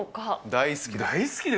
大好き。